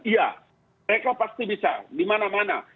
iya mereka pasti bisa dimana mana